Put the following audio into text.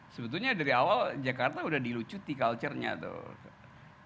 sebetulnya dari awal jakarta udah dilucuti culture nya tuh